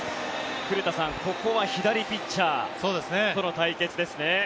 古田さん、ここは左ピッチャーとの対決ですね。